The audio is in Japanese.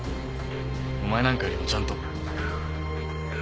お前なんかよりもちゃんと。